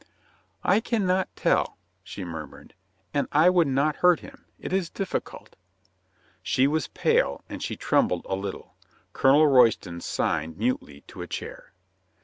"I can not tell," she murmured. "And I would not hurt him. It is difficult." She was pale, and she trembled a little. Colonel Royston signed mutely to a chair.